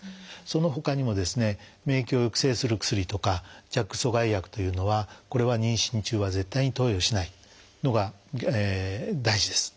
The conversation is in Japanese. そのほかにも免疫を抑制する薬とかＪＡＫ阻害薬というのはこれは妊娠中は絶対に投与しないのが大事です。